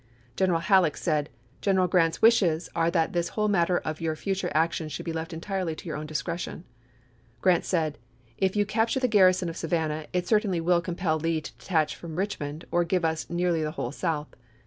General Halleck said :" General Grant's wishes ... are that this Haiieck to whole matter of your future actions should be left en Dec is,' J m . 1864. tirely to your own discretion." Grant said, " If you C(^^[{ee capture the garrison of Savannah it certainly will Jf tSewar! compel Lee to detach from Richmond or give us SmSSt?" nearly the whole South.